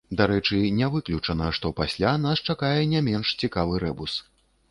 Дарэчы, не выключана, што пасля нас чакае не менш цікавы рэбус.